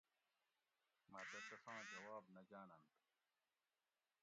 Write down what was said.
مہ تہ تساں جواب نہ جاننت